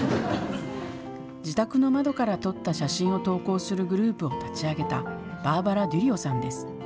自宅の窓から撮った写真を投稿するグループを立ち上げた、バーバラ・デュリオさんです。